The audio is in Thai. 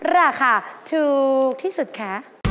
ราคาถูกที่สุดคะ